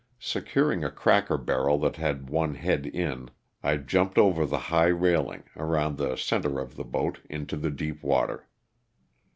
Securing a cracker barrel that had one head in, I jumped over the high railing, around the center of the boat, into the deep water.